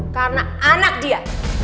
karena anak dia